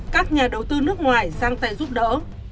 các nhà đầu tư nước ngoài giang tay giúp đỡ